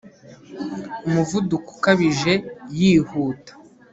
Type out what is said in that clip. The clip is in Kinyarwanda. Umuvuduko ukabije yihuta